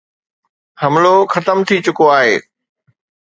حملو ختم ٿي چڪو آهي.